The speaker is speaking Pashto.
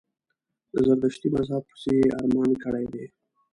د زردشتي مذهب پسي یې ارمان کړی دی.